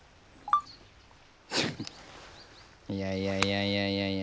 いやいやいやいやいやいや。